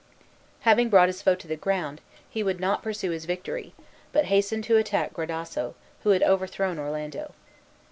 Having brought his foe to the ground, he would not pursue his victory, but hastened to attack Gradasso, who had overthrown Orlando.